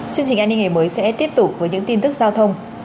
chương trình ani ngày mới sẽ tiếp tục với những tin tức giao thông